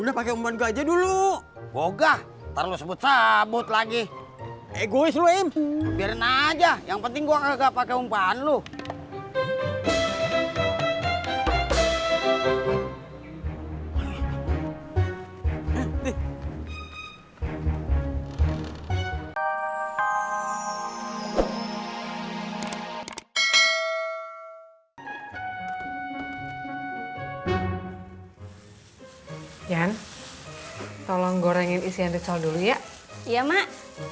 hai hai hai jan tolong goreng isian ritual dulu ya iya mak